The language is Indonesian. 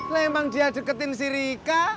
lembang dia deketin si rika